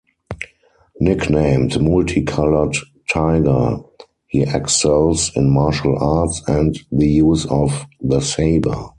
Nicknamed "Multicoloured Tiger", he excels in martial arts and the use of the saber.